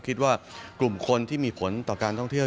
คิดว่ากลุ่มคนที่มีผลต่อการท่องเที่ยว